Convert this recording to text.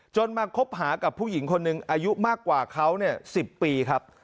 มาคบหากับผู้หญิงคนหนึ่งอายุมากกว่าเขา๑๐ปีครับ